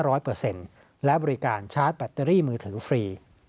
ปกติขึ้นอีก๕๐๐เปอร์เซ็นต์และบริการชาร์จแบตเตอรี่มือถือฟรี